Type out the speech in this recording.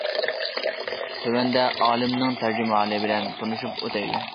تۆۋەندە ئالىمنىڭ تەرجىمىھالى بىلەن تونۇشۇپ ئۆتەيلى.